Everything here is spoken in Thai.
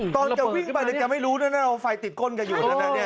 ตอนจะวิ่งไปจะไม่รู้ด้วยนะว่าไฟติดก้นกันอยู่นะฮะ